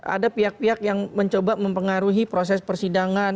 ada pihak pihak yang mencoba mempengaruhi proses persidangan